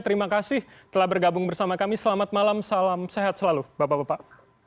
terima kasih telah bergabung bersama kami selamat malam salam sehat selalu bapak bapak